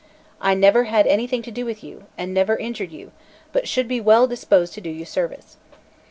I never had anything to do with you, and never injured you, but should be well disposed to do you service."